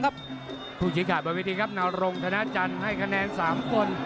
ครับผู้ชิงขาดประวิธีครับนารงด์ธนาจันทร์ให้คะแนนสามคน